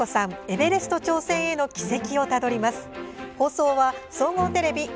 エベレスト挑戦への軌跡をたどります。